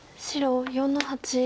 白４の八。